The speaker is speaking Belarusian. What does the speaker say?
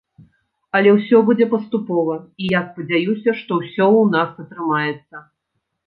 Але ўсё будзе паступова, і я спадзяюся, што ўсё ў нас атрымаецца.